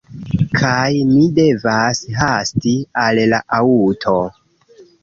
Kaj mi devas hasti al la aŭto